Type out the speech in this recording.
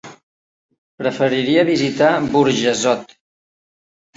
Preferiria visitar Burjassot.